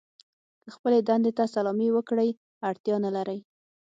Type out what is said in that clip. که خپلې دندې ته سلامي وکړئ اړتیا نه لرئ.